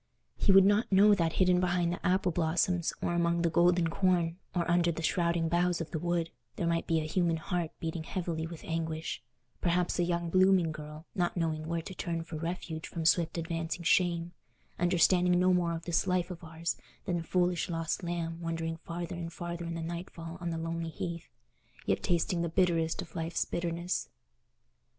He would not know that hidden behind the apple blossoms, or among the golden corn, or under the shrouding boughs of the wood, there might be a human heart beating heavily with anguish—perhaps a young blooming girl, not knowing where to turn for refuge from swift advancing shame, understanding no more of this life of ours than a foolish lost lamb wandering farther and farther in the nightfall on the lonely heath, yet tasting the bitterest of life's bitterness.